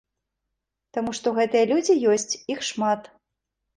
Таму што гэтыя людзі ёсць, іх шмат.